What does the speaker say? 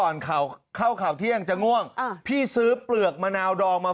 มันหนึบฟันดีว่ะ